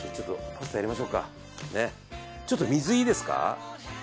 ちょっと水いいですか。